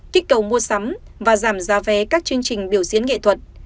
kích cầu mua sắm và giảm giá vé các chương trình biểu diễn nghệ thuật